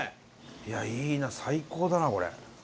いやいいな最高だなこれ。